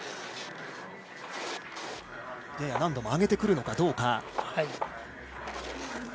やや難度も上げてくるかどうか。